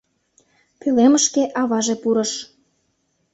Пӧлемышке аваже пурыш.